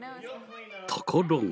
ところが。